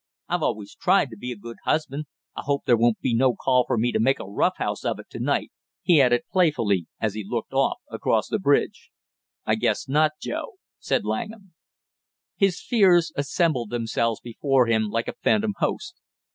I've always tried to be a good husband, I hope there won't be no call for me to make a rough house of it to night!" he added playfully, as he looked off across the bridge. "I guess not, Joe," said Langham. His fears assembled themselves before him like a phantom host.